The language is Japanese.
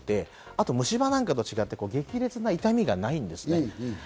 あと虫歯なんかと違って、激烈な痛みがないんです。